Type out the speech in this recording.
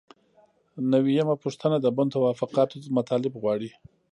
نوي یمه پوښتنه د بن توافقاتو مطالب غواړي.